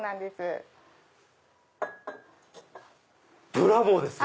ブラボーですよ！